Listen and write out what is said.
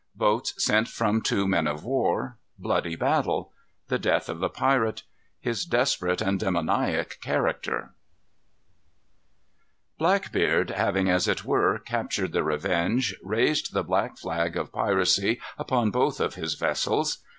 Boats sent from two Men of war. Bloody Battle. The Death of the Pirate. His Desperate and Demoniac Character. Blackbeard having, as it were, captured the Revenge, raised the black flag of piracy upon both of his vessels.